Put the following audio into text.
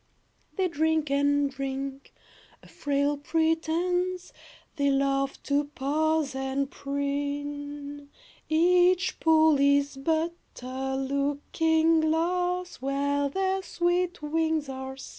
They drink and drink. A frail pretense! They love to pose and preen. Each pool is but a looking glass, Where their sweet wings are seen.